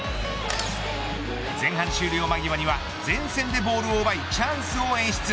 前半終了間際には前線でボールをうばいチャンスを演出。